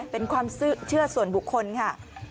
เป็นความเชื่อส่วนบุคคลค่ะ